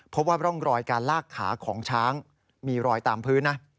พบว่าร่องรอยการลากขาของช้างมีรอยตามพื้นนะ